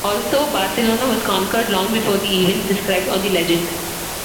Also, Barcelona was conquered long before the events described on the legend.